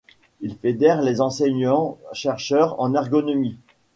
Il fédère les enseignants chercheurs en ergonomie.